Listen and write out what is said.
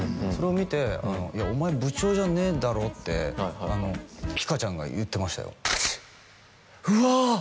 それを見ていやお前部長じゃねえだろってピカちゃんが言ってましたよマジ？